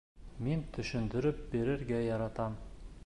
Мин төшөндөрөп бирергә яратам.